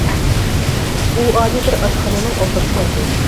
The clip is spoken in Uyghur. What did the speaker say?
ئۇ ئالىي بىر ئاشخانىنىڭ ئالدىغا كەلدى.